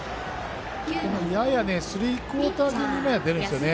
スリークオーター気味に出るんですね。